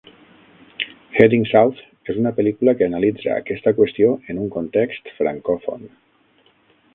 "Heading South" és una pel·lícula que analitza aquesta qüestió en un context francòfon.